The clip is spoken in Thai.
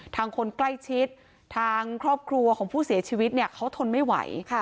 คนใกล้ชิดทางครอบครัวของผู้เสียชีวิตเนี่ยเขาทนไม่ไหว